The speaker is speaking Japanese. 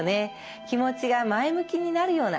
気持ちが前向きになるような